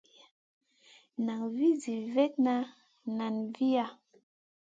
Nan vih zi vetna nen viya.